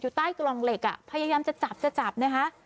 ใต้กล่องเหล็กอ่ะพยายามจะจับจะจับนะคะ